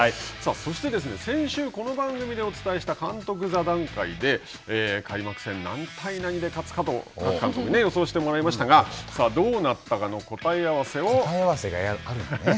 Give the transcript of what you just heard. そして先週この番組でお伝えした監督座談会で開幕戦、何対何で勝つか各監督に予想してもらいましたがさあ、どうなったかの答え合わせを。